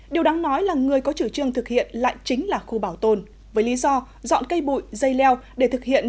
điều đáng nói là người có chủ trương thực hiện lại chính là khu bảo tồn với lý do dọn cây bụi dây leo để thực hiện